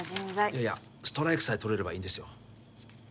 いやいやストライクさえ取れればいいんですよ